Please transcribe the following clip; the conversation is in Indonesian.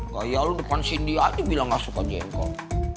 gak iya lo depan cindy aja bilang gak suka jengkol